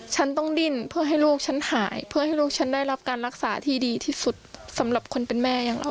ฉันต้องดิ้นเพื่อให้ลูกฉันหายเพื่อให้ลูกฉันได้รับการรักษาที่ดีที่สุดสำหรับคนเป็นแม่อย่างเรา